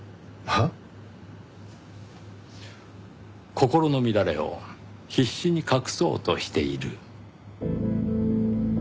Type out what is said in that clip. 心の乱れを必死に隠そうとしている。